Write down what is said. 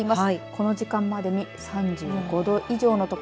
この時間までに３５度以上の所